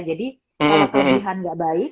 jadi kalau kelebihan gak baik